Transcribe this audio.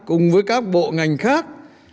cùng với các bộ ngành khác